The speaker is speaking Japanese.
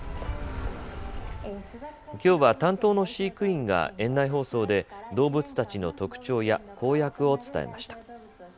きょうは担当の飼育員が園内放送で動物たちの特徴や公約を伝えました。